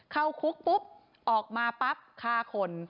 เข้าคุกปุ๊บออกมาปั๊บฆ่าคน